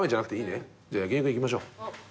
じゃあ焼き肉行きましょう。